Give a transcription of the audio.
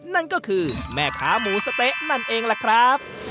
นั่นก็คือแม่ค้าหมูสะเต๊ะนั่นเองล่ะครับ